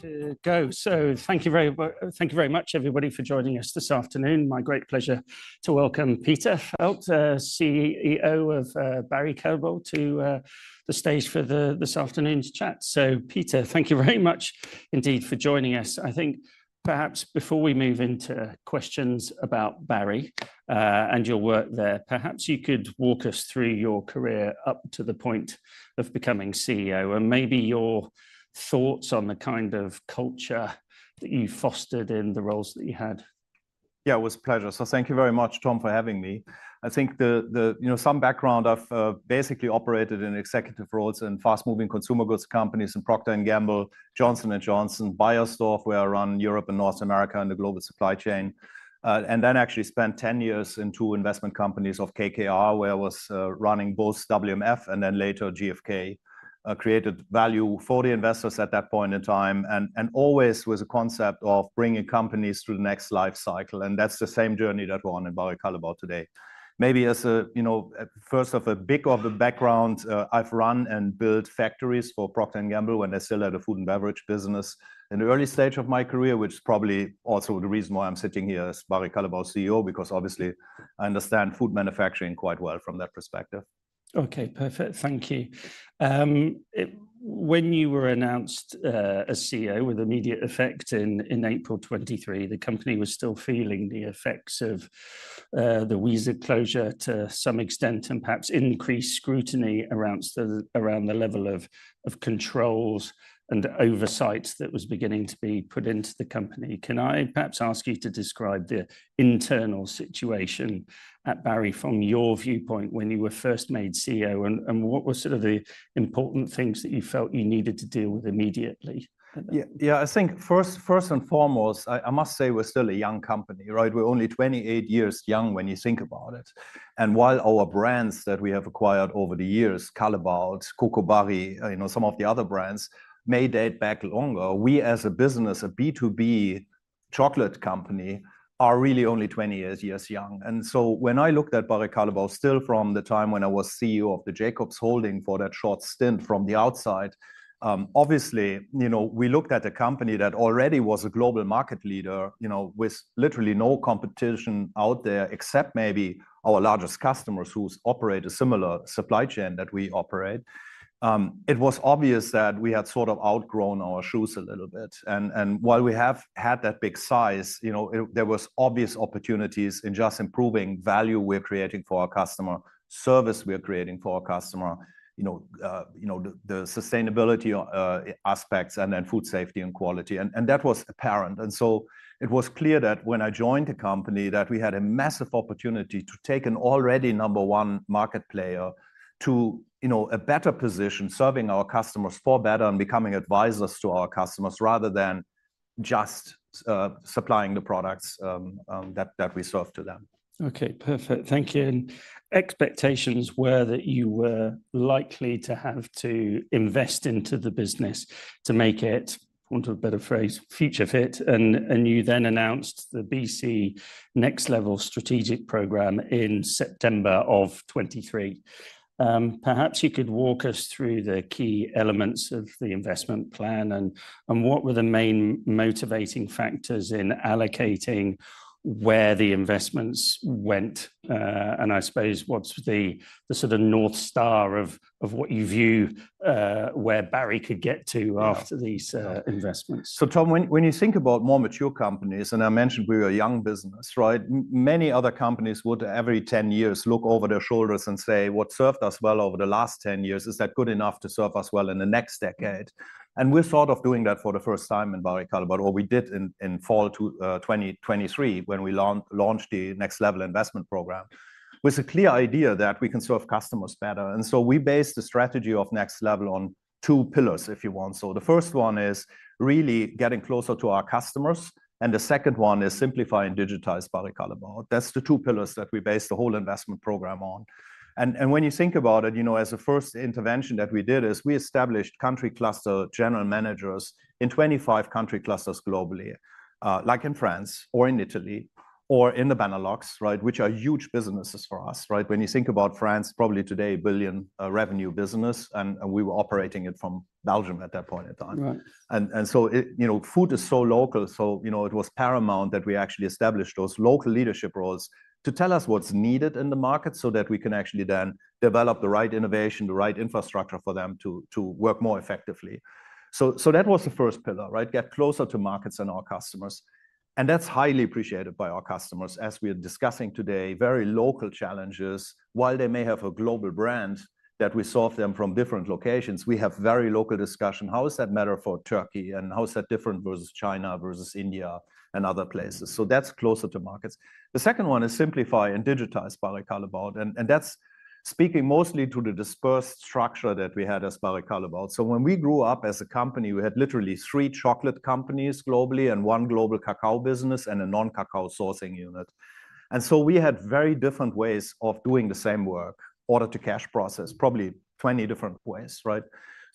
To go. Thank you very much, everybody, for joining us this afternoon. It is my great pleasure to welcome Peter Feld, CEO of Barry Callebaut, to the stage for this afternoon's chat. Peter, thank you very much indeed for joining us. I think perhaps before we move into questions about Barry and your work there, perhaps you could walk us through your career up to the point of becoming CEO and maybe your thoughts on the kind of culture that you fostered in the roles that you had. Yeah, it was a pleasure. Thank you very much, Tom, for having me. I think the, you know, some background, I've basically operated in executive roles in fast-moving consumer goods companies in Procter & Gamble, Johnson & Johnson, Bayer, software around Europe and North America in the global supply chain. Then actually spent 10 years in two investment companies of KKR, where I was running both WMF and then later GfK. Created value for the investors at that point in time. Always with a concept of bringing companies to the next life cycle. That's the same journey that we're on at Barry Callebaut today. Maybe as a, you know, first of a bit of the background, I've run and built factories for Procter & Gamble when they still had a food and beverage business in the early stage of my career, which is probably also the reason why I'm sitting here as Barry Callebaut CEO, because obviously I understand food manufacturing quite well from that perspective. Okay, perfect. Thank you. When you were announced as CEO with immediate effect in April 2023, the company was still feeling the effects of the WISA closure to some extent and perhaps increased scrutiny around the level of controls and oversight that was beginning to be put into the company. Can I perhaps ask you to describe the internal situation at Barry Callebaut from your viewpoint when you were first made CEO and what were sort of the important things that you felt you needed to deal with immediately? Yeah, I think first and foremost, I must say we're still a young company, right? We're only 28 years young when you think about it. While our brands that we have acquired over the years, Callebaut, Cacao Barry, you know, some of the other brands may date back longer, we as a business, a B2B chocolate company, are really only 28 years young. When I looked at Barry Callebaut still from the time when I was CEO of Jacobs Holding for that short stint from the outside, obviously, you know, we looked at a company that already was a global market leader, you know, with literally no competition out there except maybe our largest customers who operate a similar supply chain that we operate. It was obvious that we had sort of outgrown our shoes a little bit. While we have had that big size, you know, there were obvious opportunities in just improving value we are creating for our customer, service we are creating for our customer, you know, the sustainability aspects and then food safety and quality. That was apparent. It was clear that when I joined the company that we had a massive opportunity to take an already number one market player to, you know, a better position serving our customers for better and becoming advisors to our customers rather than just supplying the products that we serve to them. Okay, perfect. Thank you. Expectations were that you were likely to have to invest into the business to make it, for want of a better phrase, future fit. You then announced the BC Next Level Strategic Program in September of 2023. Perhaps you could walk us through the key elements of the investment plan and what were the main motivating factors in allocating where the investments went? I suppose what's the sort of north star of what you view where Barry could get to after these investments? Tom, when you think about more mature companies, and I mentioned we were a young business, right? Many other companies would every 10 years look over their shoulders and say, what served us well over the last 10 years, is that good enough to serve us well in the next decade? We thought of doing that for the first time in Barry Callebaut, or we did in fall 2023 when we launched the Next Level Investment Program with a clear idea that we can serve customers better. We based the strategy of Next Level on two pillars, if you want. The first one is really getting closer to our customers. The second one is simplifying digitized Barry Callebaut. That is the two pillars that we based the whole investment program on. When you think about it, you know, as a first intervention that we did is we established country cluster general managers in 25 country clusters globally, like in France or in Italy or in the Benelux, right? These are huge businesses for us, right? When you think about France, probably today a billion revenue business, and we were operating it from Belgium at that point in time. You know, food is so local. It was paramount that we actually established those local leadership roles to tell us what's needed in the market so that we can actually then develop the right innovation, the right infrastructure for them to work more effectively. That was the first pillar, right? Get closer to markets and our customers. That's highly appreciated by our customers as we are discussing today very local challenges. While they may have a global brand that we serve them from different locations, we have very local discussion. How does that matter for Turkey? And how is that different versus China versus India and other places? That is closer to markets. The second one is simplify and digitize Barry Callebaut. That is speaking mostly to the dispersed structure that we had as Barry Callebaut. When we grew up as a company, we had literally three chocolate companies globally and one global cacao business and a non-cacao sourcing unit. We had very different ways of doing the same work, order to cash process, probably 20 different ways, right?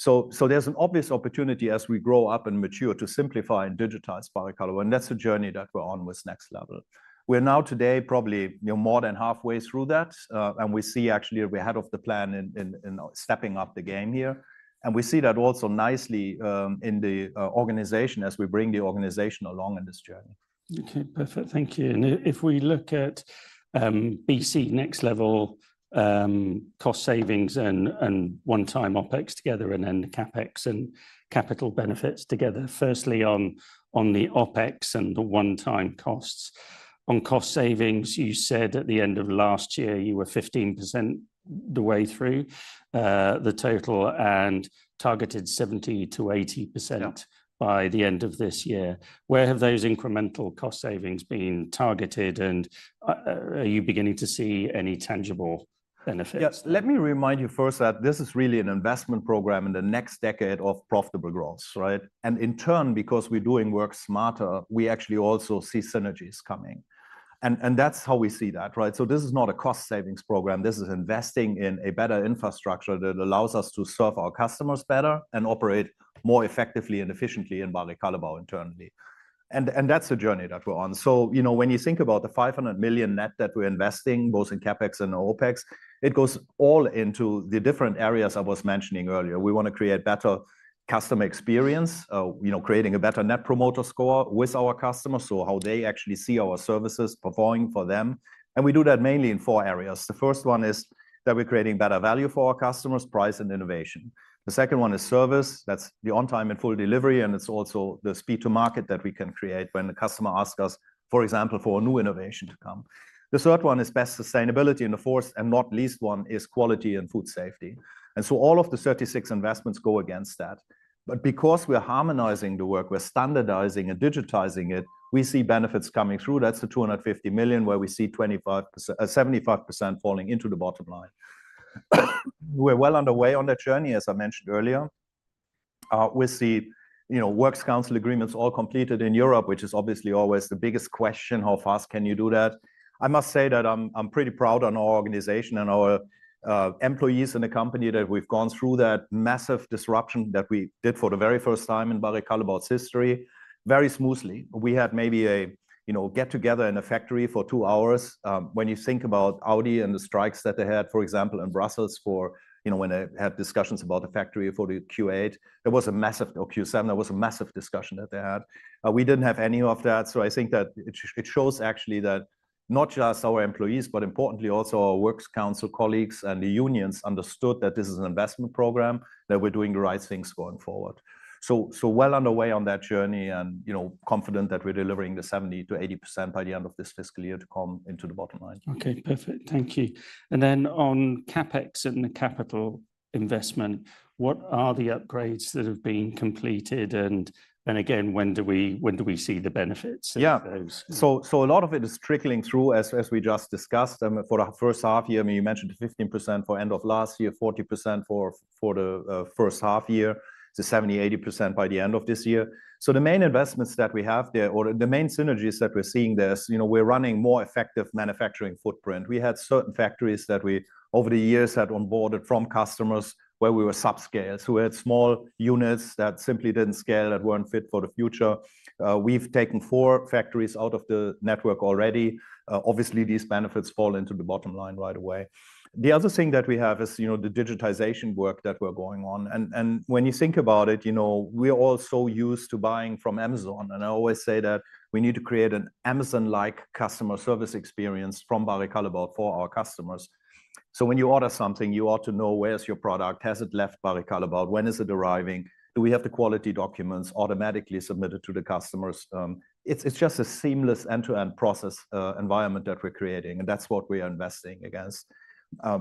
There is an obvious opportunity as we grow up and mature to simplify and digitize Barry Callebaut. That is the journey that we are on with Next Level. We are now today probably, you know, more than halfway through that. We see actually we're ahead of the plan in stepping up the game here. We see that also nicely in the organization as we bring the organization along in this journey. Okay, perfect. Thank you. If we look at BC Next Level cost savings and one-time OpEx together and then CapEx and capital benefits together, firstly on the OpEx and the one-time costs. On cost savings, you said at the end of last year you were 15% the way through the total and targeted 70-80% by the end of this year. Where have those incremental cost savings been targeted? Are you beginning to see any tangible benefits? Yes. Let me remind you first that this is really an investment program in the next decade of profitable growth, right? In turn, because we're doing work smarter, we actually also see synergies coming. That is how we see that, right? This is not a cost savings program. This is investing in a better infrastructure that allows us to serve our customers better and operate more effectively and efficiently in Barry Callebaut internally. That is the journey that we're on. You know, when you think about the 500 million net that we're investing both in CapEx and OpEx, it goes all into the different areas I was mentioning earlier. We want to create better customer experience, you know, creating a better Net Promoter Score with our customers. How they actually see our services performing for them. We do that mainly in four areas. The first one is that we're creating better value for our customers, price and innovation. The second one is service. That's the on-time and full delivery. It's also the speed to market that we can create when the customer asks us, for example, for a new innovation to come. The third one is best sustainability. The fourth and not least one is quality and food safety. All of the 36 investments go against that. Because we are harmonizing the work, we're standardizing and digitizing it, we see benefits coming through. That's the 250 million where we see 75% falling into the bottom line. We're well underway on that journey, as I mentioned earlier. We see, you know, works council agreements all completed in Europe, which is obviously always the biggest question. How fast can you do that? I must say that I'm pretty proud of our organization and our employees and the company that we've gone through that massive disruption that we did for the very first time in Barry Callebaut's history, very smoothly. We had maybe a, you know, get together in a factory for two hours. When you think about Audi and the strikes that they had, for example, in Brussels for, you know, when they had discussions about the factory for the Q8, there was a massive, or Q7, there was a massive discussion that they had. We didn't have any of that. I think that it shows actually that not just our employees, but importantly also our works council colleagues and the unions understood that this is an investment program, that we're doing the right things going forward. Well underway on that journey and, you know, confident that we're delivering the 70-80% by the end of this fiscal year to come into the bottom line. Okay, perfect. Thank you. On CapEx and the capital investment, what are the upgrades that have been completed? When do we see the benefits? Yeah. A lot of it is trickling through, as we just discussed. For the first half year, I mean, you mentioned 15% for end of last year, 40% for the first half year, the 70-80% by the end of this year. The main investments that we have there, or the main synergies that we're seeing there, you know, we're running a more effective manufacturing footprint. We had certain factories that we, over the years, had onboarded from customers where we were subscale. We had small units that simply did not scale, that were not fit for the future. We have taken four factories out of the network already. Obviously, these benefits fall into the bottom line right away. The other thing that we have is, you know, the digitization work that we are going on. When you think about it, you know, we are all so used to buying from Amazon. I always say that we need to create an Amazon-like customer service experience from Barry Callebaut for our customers. When you order something, you ought to know where's your product? Has it left Barry Callebaut? When is it arriving? Do we have the quality documents automatically submitted to the customers? It's just a seamless end-to-end process environment that we're creating. That's what we are investing against.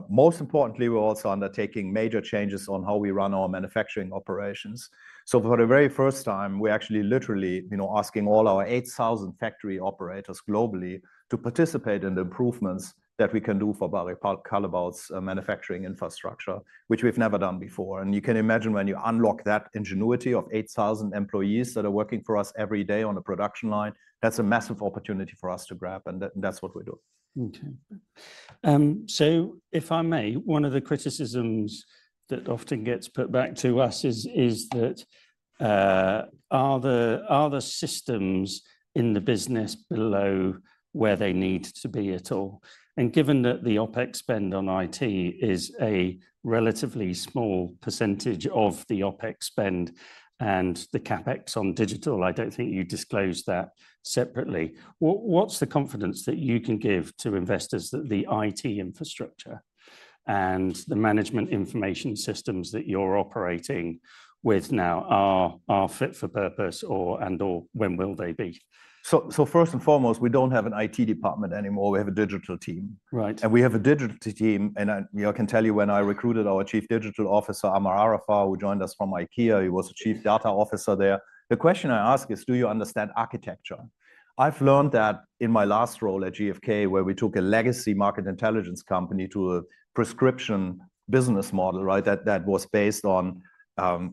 Most importantly, we're also undertaking major changes on how we run our manufacturing operations. For the very first time, we're actually literally, you know, asking all our 8,000 factory operators globally to participate in the improvements that we can do for Barry Callebaut's manufacturing infrastructure, which we've never done before. You can imagine when you unlock that ingenuity of 8,000 employees that are working for us every day on a production line, that's a massive opportunity for us to grab. That's what we're doing. Okay. If I may, one of the criticisms that often gets put back to us is that are the systems in the business below where they need to be at all? Given that the OpEx spend on IT is a relatively small percentage of the OpEx spend and the CapEx on digital, I do not think you disclose that separately. What is the confidence that you can give to investors that the IT infrastructure and the management information systems that you are operating with now are fit for purpose and/or when will they be? First and foremost, we do not have an IT department anymore. We have a digital team. I can tell you when I recruited our Chief Digital Officer, Amy Arafa, who joined us from IKEA, he was a chief data officer there. The question I ask is, do you understand architecture? I have learned that in my last role at GfK, where we took a legacy market intelligence company to a prescription business model, right? That was based on,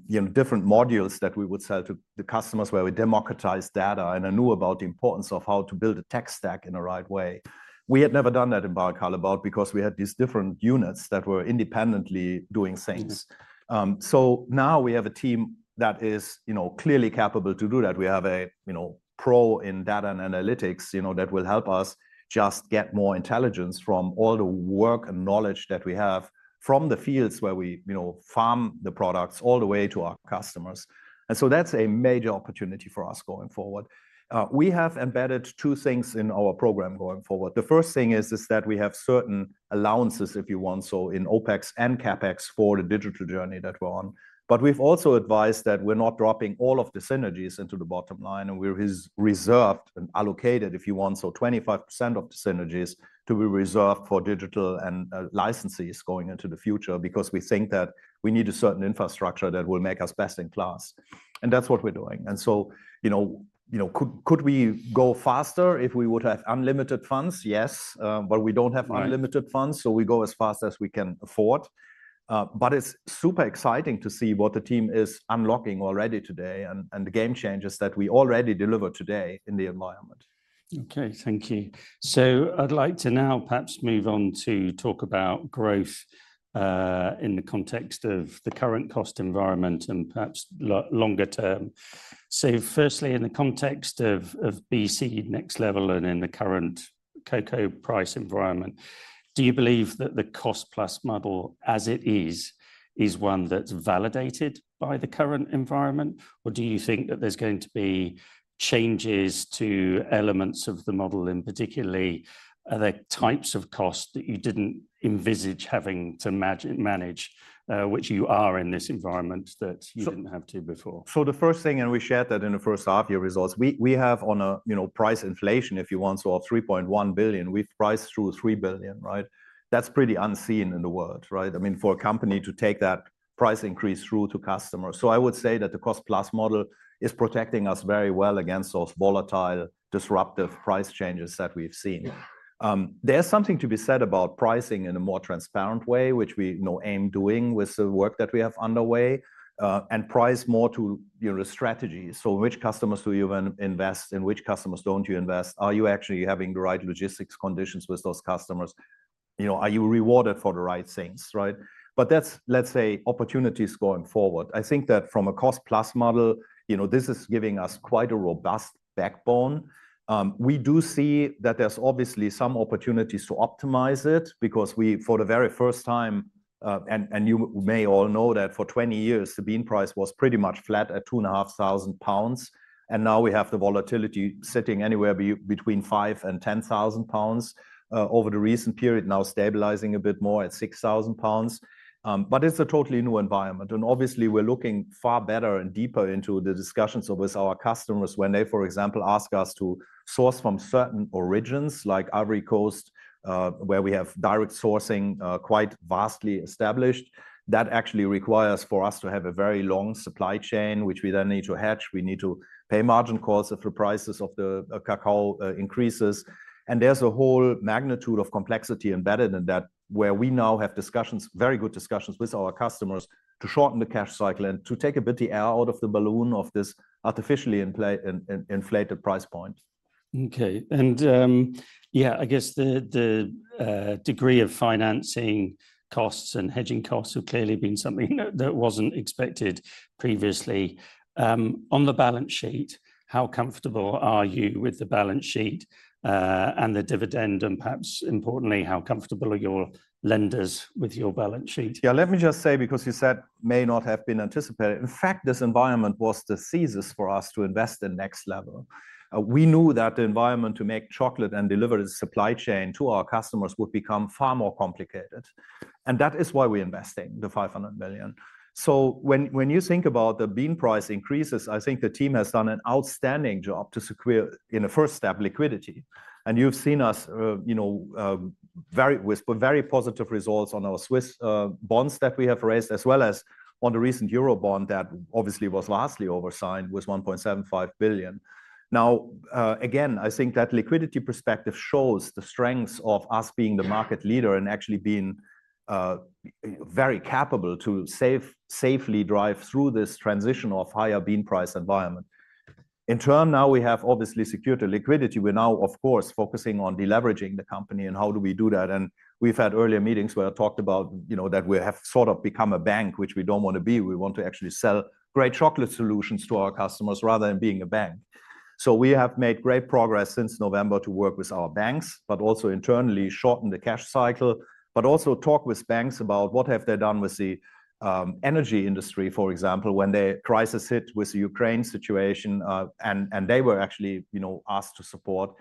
you know, different modules that we would sell to the customers where we democratized data and I knew about the importance of how to build a tech stack in the right way. We had never done that in Barry Callebaut because we had these different units that were independently doing things. Now we have a team that is, you know, clearly capable to do that. We have a, you know, pro in data and analytics, you know, that will help us just get more intelligence from all the work and knowledge that we have from the fields where we, you know, farm the products all the way to our customers. That is a major opportunity for us going forward. We have embedded two things in our program going forward. The first thing is that we have certain allowances, if you want, in OpEx and CapEx for the digital journey that we are on. We have also advised that we are not dropping all of the synergies into the bottom line. We have reserved and allocated, if you want, 25% of the synergies to be reserved for digital and licenses going into the future because we think that we need a certain infrastructure that will make us best in class. That is what we are doing. You know, could we go faster if we would have unlimited funds? Yes. We do not have unlimited funds, so we go as fast as we can afford. It is super exciting to see what the team is unlocking already today and the game changes that we already deliver today in the environment. Okay, thank you. I'd like to now perhaps move on to talk about growth in the context of the current cost environment and perhaps longer term. Firstly, in the context of BC Next Level and in the current cocoa price environment, do you believe that the cost plus model as it is is one that's validated by the current environment? Or do you think that there's going to be changes to elements of the model, in particular the types of costs that you didn't envisage having to manage, which you are in this environment that you didn't have to before? The first thing, and we shared that in the first half year results, we have on a, you know, price inflation, if you want, of 3.1 billion, we have priced through 3 billion, right? That is pretty unseen in the world, right? I mean, for a company to take that price increase through to customers. I would say that the cost plus model is protecting us very well against those volatile, disruptive price changes that we have seen. There is something to be said about pricing in a more transparent way, which we, you know, aim doing with the work that we have underway and price more to, you know, the strategy. Which customers do you invest in? Which customers do not you invest? Are you actually having the right logistics conditions with those customers? You know, are you rewarded for the right things, right? That is, let's say, opportunities going forward. I think that from a cost plus model, you know, this is giving us quite a robust backbone. We do see that there's obviously some opportunities to optimize it because we, for the very first time, and you may all know that for 20 years, the bean price was pretty much flat at 2,500 pounds. Now we have the volatility sitting anywhere between 5,000-10,000 pounds over the recent period, now stabilizing a bit more at 6,000 pounds. It is a totally new environment. Obviously, we're looking far better and deeper into the discussions with our customers when they, for example, ask us to source from certain origins like Ivory Coast, where we have direct sourcing quite vastly established. That actually requires for us to have a very long supply chain, which we then need to hedge. We need to pay margin calls if the prices of the cocoa increases. And there's a whole magnitude of complexity embedded in that where we now have discussions, very good discussions with our customers to shorten the cash cycle and to take a bit the air out of the balloon of this artificially inflated price point. Okay. Yeah, I guess the degree of financing costs and hedging costs have clearly been something that was not expected previously. On the balance sheet, how comfortable are you with the balance sheet and the dividend? Perhaps importantly, how comfortable are your lenders with your balance sheet? Yeah, let me just say, because you said may not have been anticipated. In fact, this environment was the thesis for us to invest in Next Level. We knew that the environment to make chocolate and deliver the supply chain to our customers would become far more complicated. That is why we are investing the $500 million. When you think about the bean price increases, I think the team has done an outstanding job to secure, in a first step, liquidity. You have seen us, you know, with very positive results on our Swiss bonds that we have raised, as well as on the recent EUR 1.75 billion bond that obviously was vastly oversigned. Now, again, I think that liquidity perspective shows the strengths of us being the market leader and actually being very capable to safely drive through this transition of higher bean price environment. In turn, now we have obviously secured the liquidity. We're now, of course, focusing on deleveraging the company and how do we do that? We've had earlier meetings where I talked about, you know, that we have sort of become a bank, which we don't want to be. We want to actually sell great chocolate solutions to our customers rather than being a bank. We have made great progress since November to work with our banks, but also internally shorten the cash cycle, but also talk with banks about what have they done with the energy industry, for example, when the crisis hit with the Ukraine situation. They were actually, you know, asked to support.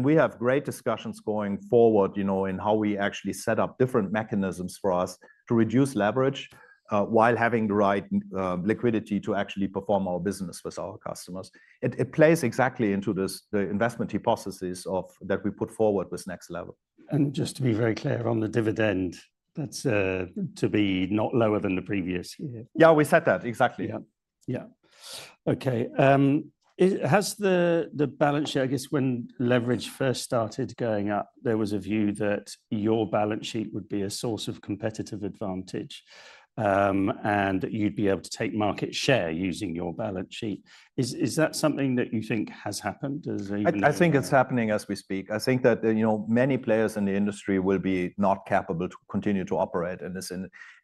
We have great discussions going forward, you know, in how we actually set up different mechanisms for us to reduce leverage while having the right liquidity to actually perform our business with our customers. It plays exactly into the investment hypothesis that we put forward with Next Level. Just to be very clear on the dividend, that's to be not lower than the previous year. Yeah, we said that exactly. Yeah. Yeah. Okay. Has the balance sheet, I guess when leverage first started going up, there was a view that your balance sheet would be a source of competitive advantage and that you'd be able to take market share using your balance sheet. Is that something that you think has happened? I think it's happening as we speak. I think that, you know, many players in the industry will be not capable to continue to operate in this.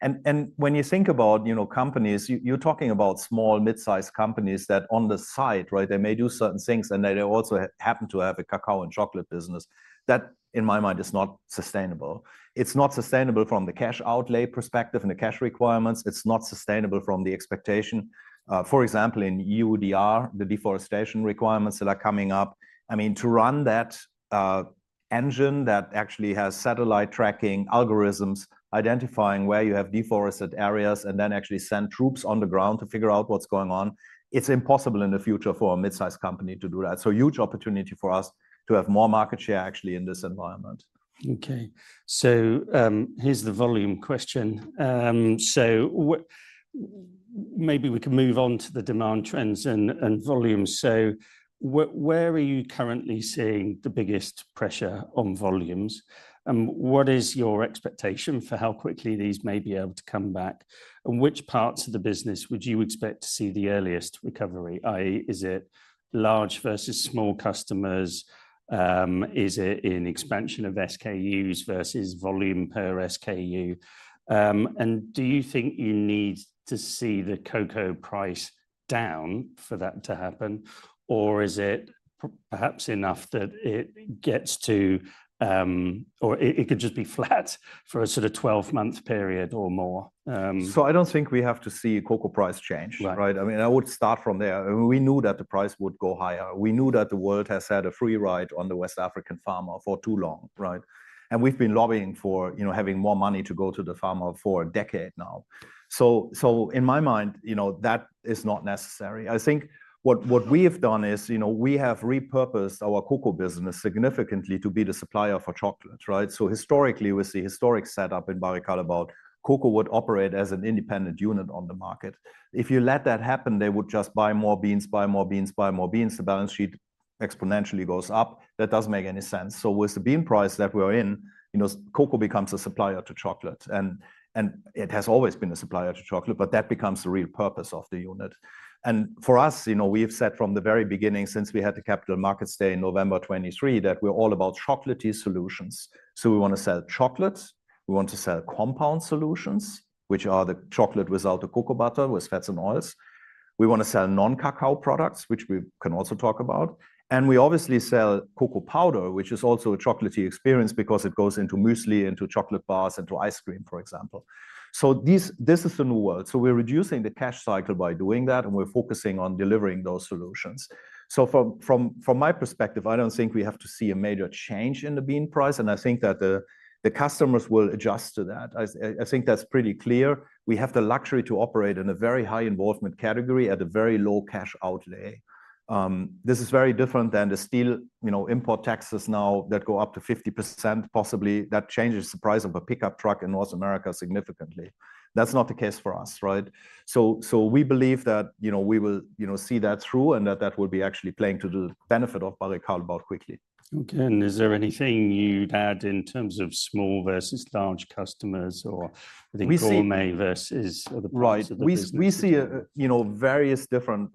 And when you think about, you know, companies, you're talking about small, mid-sized companies that on the side, right, they may do certain things and they also happen to have a cacao and chocolate business. That, in my mind, is not sustainable. It's not sustainable from the cash outlay perspective and the cash requirements. It's not sustainable from the expectation. For example, in EUDR, the deforestation requirements that are coming up. I mean, to run that engine that actually has satellite tracking algorithms identifying where you have deforested areas and then actually send troops on the ground to figure out what's going on, it's impossible in the future for a mid-sized company to do that. Huge opportunity for us to have more market share actually in this environment. Okay. So here's the volume question. Maybe we can move on to the demand trends and volumes. Where are you currently seeing the biggest pressure on volumes? What is your expectation for how quickly these may be able to come back? Which parts of the business would you expect to see the earliest recovery? Is it large versus small customers? Is it in expansion of SKUs versus volume per SKU? Do you think you need to see the cocoa price down for that to happen, or is it perhaps enough that it gets to, or it could just be flat for a sort of 12-month period or more? I don't think we have to see cocoa price change, right? I mean, I would start from there. We knew that the price would go higher. We knew that the world has had a free ride on the West African farmer for too long, right? And we've been lobbying for, you know, having more money to go to the farmer for a decade now. In my mind, you know, that is not necessary. I think what we have done is, you know, we have repurposed our cocoa business significantly to be the supplier for chocolate, right? Historically, with the historic setup in Barry Callebaut, cocoa would operate as an independent unit on the market. If you let that happen, they would just buy more beans, buy more beans, buy more beans. The balance sheet exponentially goes up. That doesn't make any sense. With the bean price that we're in, you know, cocoa becomes a supplier to chocolate. It has always been a supplier to chocolate, but that becomes the real purpose of the unit. For us, you know, we've said from the very beginning since we had the capital markets day in November 2023 that we're all about chocolatey solutions. We want to sell chocolate. We want to sell compound solutions, which are the chocolate without the cocoa butter with fats and oils. We want to sell non-cacao products, which we can also talk about. We obviously sell cocoa powder, which is also a chocolatey experience because it goes into muesli, into chocolate bars, into ice cream, for example. This is the new world. We're reducing the cash cycle by doing that. We're focusing on delivering those solutions. From my perspective, I don't think we have to see a major change in the bean price. I think that the customers will adjust to that. I think that's pretty clear. We have the luxury to operate in a very high involvement category at a very low cash outlay. This is very different than the steel, you know, import taxes now that go up to 50% possibly. That changes the price of a pickup truck in North America significantly. That's not the case for us, right? We believe that, you know, we will, you know, see that through and that that will be actually playing to the benefit of Barry Callebaut quickly. Okay. Is there anything you'd add in terms of small versus large customers or the gourmet versus the? Right. We see, you know, various different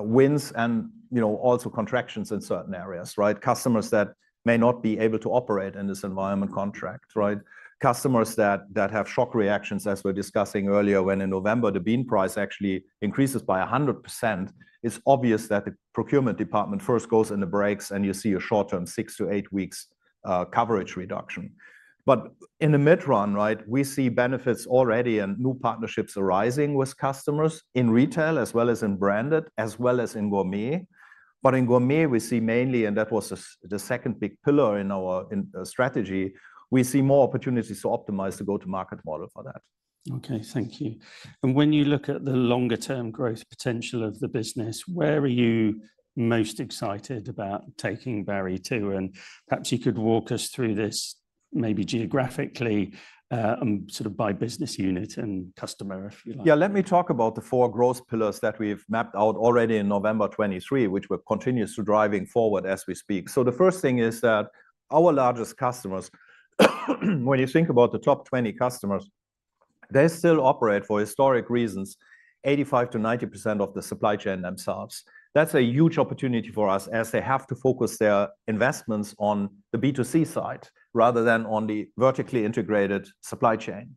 wins and, you know, also contractions in certain areas, right? Customers that may not be able to operate in this environment contract, right? Customers that have shock reactions as we were discussing earlier when in November the bean price actually increases by 100%. It's obvious that the procurement department first goes in the brakes and you see a short-term six- to eight-week coverage reduction. In the mid-run, right, we see benefits already and new partnerships arising with customers in retail as well as in branded, as well as in gourmet. In gourmet, we see mainly, and that was the second big pillar in our strategy, we see more opportunities to optimize the go-to-market model for that. Okay, thank you. When you look at the longer-term growth potential of the business, where are you most excited about taking Barry to? Perhaps you could walk us through this maybe geographically and sort of by business unit and customer if you like. Yeah, let me talk about the four growth pillars that we've mapped out already in November 2023, which we're continuously driving forward as we speak. The first thing is that our largest customers, when you think about the top 20 customers, they still operate for historic reasons, 85-90% of the supply chain themselves. That's a huge opportunity for us as they have to focus their investments on the B2C side rather than on the vertically integrated supply chain.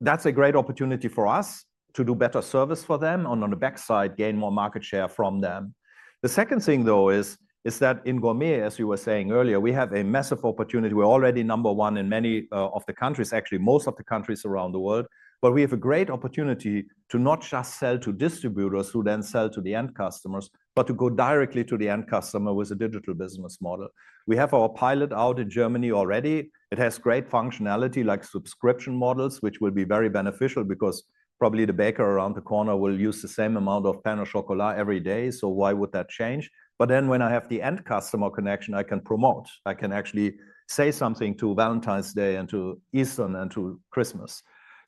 That's a great opportunity for us to do better service for them and on the backside gain more market share from them. The second thing though is that in gourmet, as you were saying earlier, we have a massive opportunity. We're already number one in many of the countries, actually most of the countries around the world, but we have a great opportunity to not just sell to distributors who then sell to the end customers, but to go directly to the end customer with a digital business model. We have our pilot out in Germany already. It has great functionality like subscription models, which will be very beneficial because probably the baker around the corner will use the same amount of pain au chocolat every day. Why would that change? When I have the end customer connection, I can promote. I can actually say something to Valentine's Day and to Easter and to Christmas.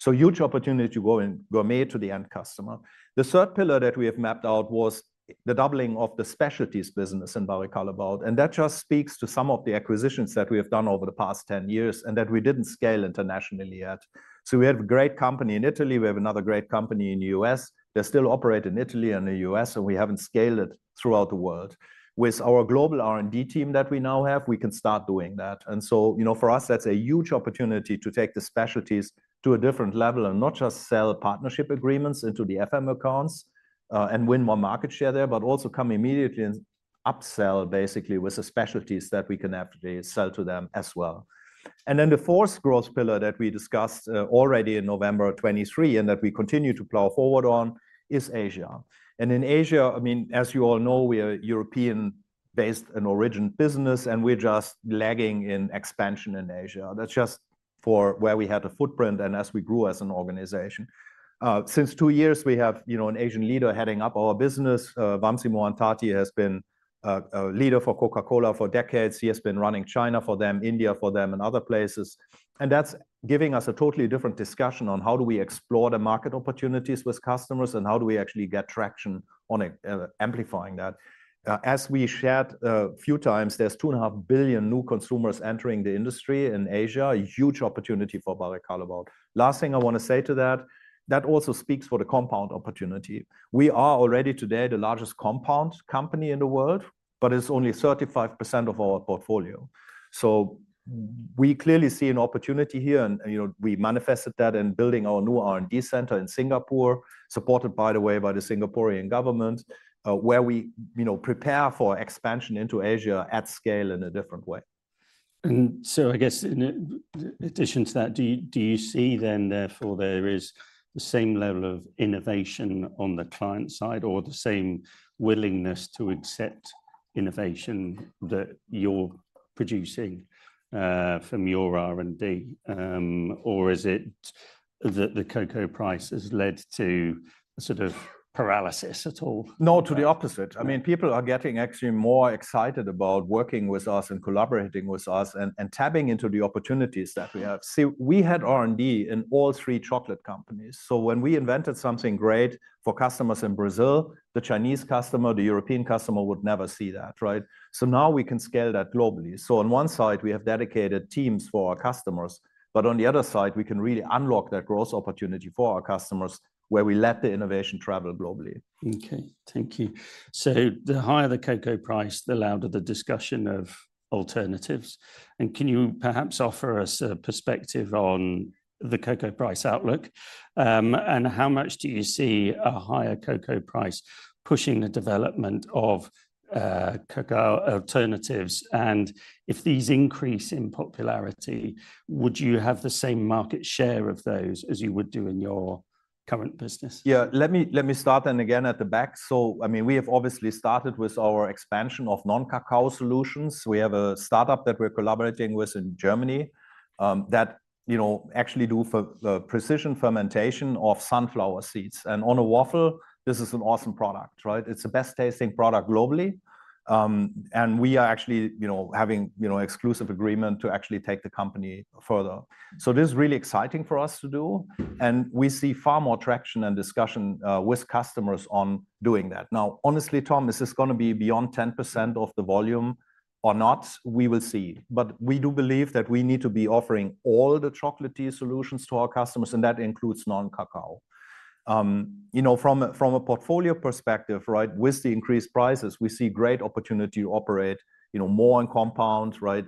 Huge opportunity to go in gourmet to the end customer. The third pillar that we have mapped out was the doubling of the specialties business in Barry Callebaut. That just speaks to some of the acquisitions that we have done over the past 10 years and that we did not scale internationally yet. We have a great company in Italy. We have another great company in the US. They still operate in Italy and the US, and we have not scaled it throughout the world. With our global R&D team that we now have, we can start doing that. You know, for us, that is a huge opportunity to take the specialties to a different level and not just sell partnership agreements into the FM accounts and win more market share there, but also come immediately and upsell basically with the specialties that we can actually sell to them as well. The fourth growth pillar that we discussed already in November 2023 and that we continue to plow forward on is Asia. In Asia, I mean, as you all know, we are European-based in origin business and we're just lagging in expansion in Asia. That's just for where we had a footprint and as we grew as an organization. Since two years, we have, you know, an Asian leader heading up our business. Vamsi Mohan Thati has been a leader for Coca-Cola for decades. He has been running China for them, India for them, and other places. That's giving us a totally different discussion on how do we explore the market opportunities with customers and how do we actually get traction on amplifying that. As we shared a few times, there's two and a half billion new consumers entering the industry in Asia, a huge opportunity for Barry Callebaut. Last thing I want to say to that, that also speaks for the compound opportunity. We are already today the largest compound company in the world, but it's only 35% of our portfolio. So we clearly see an opportunity here and, you know, we manifested that in building our new R&D center in Singapore, supported by the way by the Singaporean government, where we, you know, prepare for expansion into Asia at scale in a different way. I guess in addition to that, do you see then therefore there is the same level of innovation on the client side or the same willingness to accept innovation that you're producing from your R&D? Or is it that the cocoa price has led to a sort of paralysis at all? No, to the opposite. I mean, people are getting actually more excited about working with us and collaborating with us and tapping into the opportunities that we have. See, we had R&D in all three chocolate companies. When we invented something great for customers in Brazil, the Chinese customer, the European customer would never see that, right? Now we can scale that globally. On one side, we have dedicated teams for our customers, but on the other side, we can really unlock that growth opportunity for our customers where we let the innovation travel globally. Okay, thank you. The higher the cocoa price, the louder the discussion of alternatives. Can you perhaps offer us a perspective on the cocoa price outlook? How much do you see a higher cocoa price pushing the development of cocoa alternatives? If these increase in popularity, would you have the same market share of those as you would do in your current business? Yeah, let me start then again at the back. I mean, we have obviously started with our expansion of non-cacao solutions. We have a startup that we're collaborating with in Germany that, you know, actually do precision fermentation of sunflower seeds. On a waffle, this is an awesome product, right? It's the best tasting product globally. We are actually, you know, having, you know, exclusive agreement to actually take the company further. This is really exciting for us to do. We see far more traction and discussion with customers on doing that. Now, honestly, Tom, is this going to be beyond 10% of the volume or not? We will see. We do believe that we need to be offering all the chocolatey solutions to our customers. That includes non-cacao. You know, from a portfolio perspective, right, with the increased prices, we see great opportunity to operate, you know, more in compounds, right?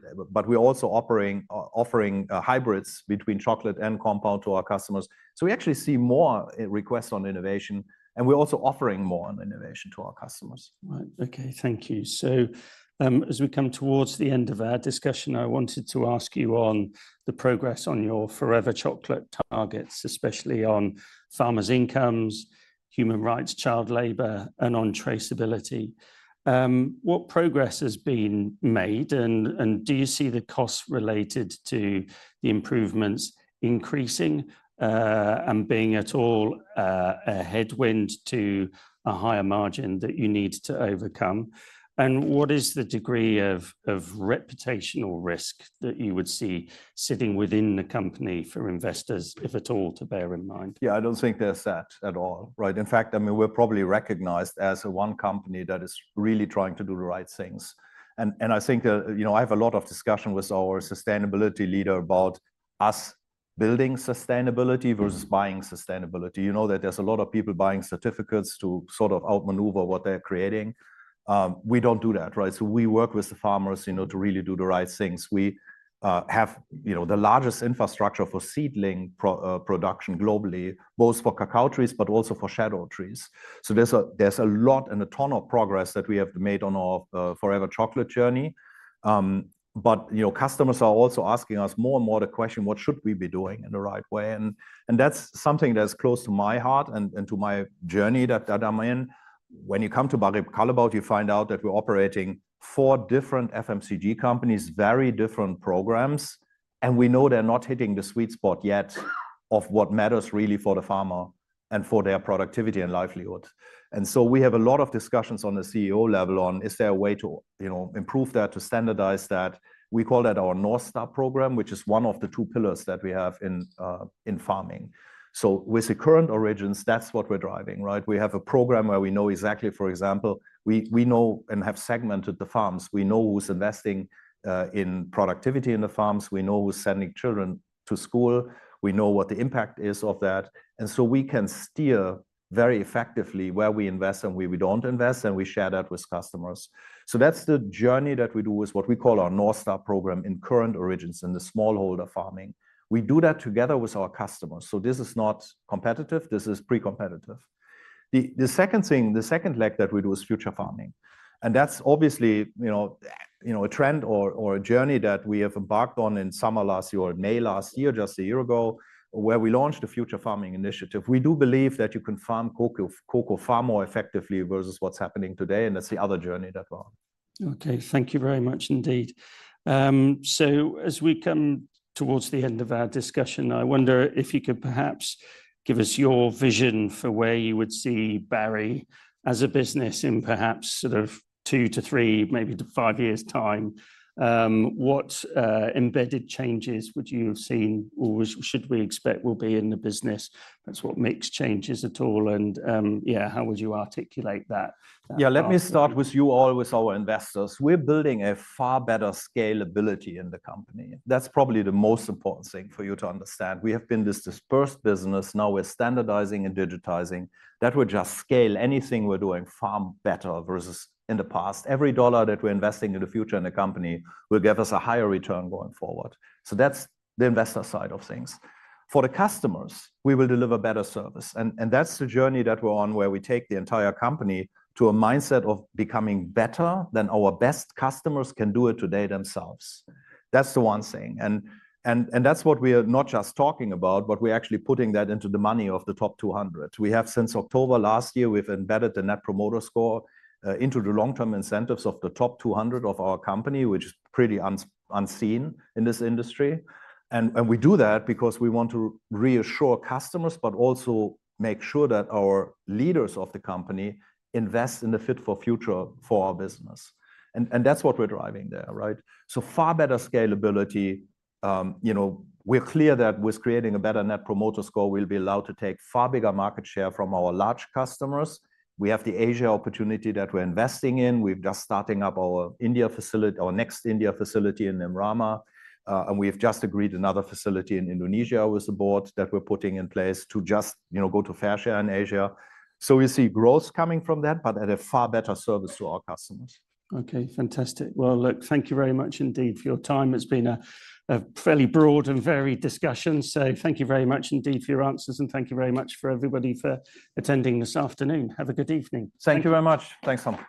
We are also offering hybrids between chocolate and compound to our customers. We actually see more requests on innovation. We are also offering more on innovation to our customers. Right. Okay, thank you. As we come towards the end of our discussion, I wanted to ask you on the progress on your Forever Chocolate targets, especially on farmers' incomes, human rights, child labor, and on traceability. What progress has been made? Do you see the costs related to the improvements increasing and being at all a headwind to a higher margin that you need to overcome? What is the degree of reputational risk that you would see sitting within the company for investors, if at all, to bear in mind? Yeah, I do not think there is that at all, right? In fact, I mean, we are probably recognized as the one company that is really trying to do the right things. And I think, you know, I have a lot of discussion with our sustainability leader about us building sustainability versus buying sustainability. You know that there are a lot of people buying certificates to sort of outmaneuver what they are creating. We do not do that, right? We work with the farmers, you know, to really do the right things. We have, you know, the largest infrastructure for seedling production globally, both for cacao trees, but also for shadow trees. There is a lot and a ton of progress that we have made on our Forever Chocolate journey. But, you know, customers are also asking us more and more the question, what should we be doing in the right way? That's something that's close to my heart and to my journey that I'm in. When you come to Barry Callebaut, you find out that we're operating four different FMCG companies, very different programs. We know they're not hitting the sweet spot yet of what matters really for the farmer and for their productivity and livelihood. We have a lot of discussions on the CEO level on, is there a way to, you know, improve that, to standardize that? We call that our North Star program, which is one of the two pillars that we have in farming. With the current origins, that's what we're driving, right? We have a program where we know exactly, for example, we know and have segmented the farms. We know who's investing in productivity in the farms. We know who's sending children to school. We know what the impact is of that. We can steer very effectively where we invest and where we do not invest. We share that with customers. That is the journey that we do with what we call our North Star program in current origins and the smallholder farming. We do that together with our customers. This is not competitive. This is pre-competitive. The second thing, the second leg that we do is future farming. That is obviously, you know, a trend or a journey that we have embarked on in summer last year or May last year, just a year ago, where we launched a future farming initiative. We do believe that you can farm cocoa far more effectively versus what is happening today. That is the other journey that we are on. Okay, thank you very much indeed. As we come towards the end of our discussion, I wonder if you could perhaps give us your vision for where you would see Barry as a business in perhaps sort of two to three, maybe to five years' time. What embedded changes would you have seen or should we expect will be in the business? That is what makes changes at all. Yeah, how would you articulate that? Yeah, let me start with you all, with our investors. We're building a far better scalability in the company. That's probably the most important thing for you to understand. We have been this dispersed business. Now we're standardizing and digitizing that we're just scale. Anything we're doing far better versus in the past. Every dollar that we're investing in the future in the company will give us a higher return going forward. That's the investor side of things. For the customers, we will deliver better service. That's the journey that we're on where we take the entire company to a mindset of becoming better than our best customers can do it today themselves. That's the one thing. That's what we are not just talking about, but we're actually putting that into the money of the top 200. We have since October last year, we've embedded the Net Promoter Score into the long-term incentives of the top 200 of our company, which is pretty unseen in this industry. We do that because we want to reassure customers, but also make sure that our leaders of the company invest in the fit for future for our business. That's what we're driving there, right? Far better scalability, you know, we're clear that with creating a better Net Promoter Score, we'll be allowed to take far bigger market share from our large customers. We have the Asia opportunity that we're investing in. We're just starting up our India facility, our next India facility in Baramati. We've just agreed another facility in Indonesia with the board that we're putting in place to just, you know, go to fair share in Asia. We see growth coming from that, but at a far better service to our customers. Okay, fantastic. Thank you very much indeed for your time. It's been a fairly broad and varied discussion. Thank you very much indeed for your answers. Thank you very much for everybody for attending this afternoon. Have a good evening. Thank you very much. Thanks, Tom.